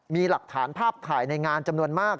มีหลักฐานภาพถ่ายในงานจำนวนมาก